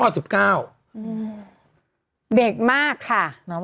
เด็กมากค่ะ